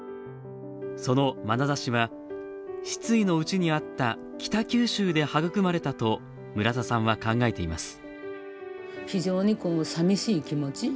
そのまなざしは、失意のうちにあった北九州で育まれたと、村田さんは考えています。